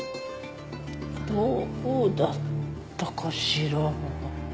どうだったかしら。